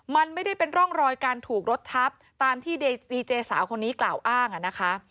มันไม่ได้เป็นร่องรอยการถูกรถทับตามที่ดีเจสาวคนนี้กล่าวอ้างนะคะ